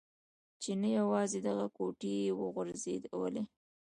چې نه یوازې دغه کوټې يې و غورځولې.